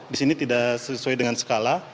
di sini tidak sesuai dengan skala